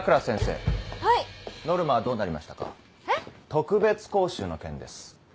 特別講習の件です。